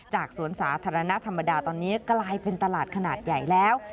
สวนสาธารณะธรรมดาตอนนี้กลายเป็นตลาดขนาดใหญ่แล้ว